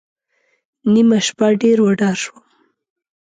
نیمه شپه ډېر وډار شوم.